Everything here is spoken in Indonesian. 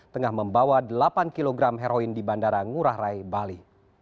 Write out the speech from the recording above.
tengah membawa delapan kg heroin di bandara ngurah rai bali